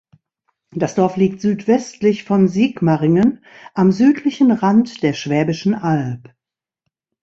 Das Dorf liegt südwestlich von Sigmaringen am südlichen Rand der Schwäbischen Alb.